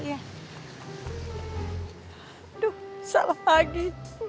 aduh salah pagi